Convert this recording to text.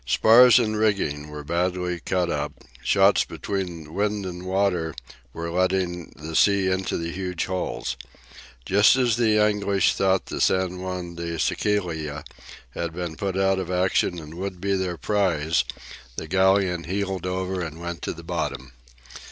Spars and rigging were badly cut up, shots between wind and water were letting the sea into the huge hulls. Just as the English thought the "San Juan de Sicilia" had been put out of action and would be their prize, the galleon heeled over and went to the bottom.